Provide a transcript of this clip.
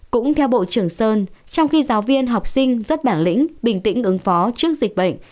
cũng theo bộ trưởng sơn trong khi giáo viên học sinh rất bản lĩnh bình tĩnh ứng phó trước dịch bệnh